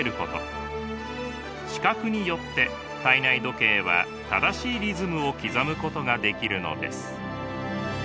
視覚によって体内時計は正しいリズムを刻むことができるのです。